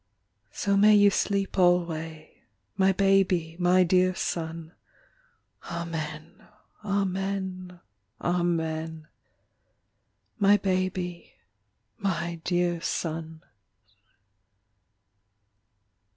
... So may you sleep alway, My baby, my dear son: Amen, Amen, Amen. My baby, my dear son.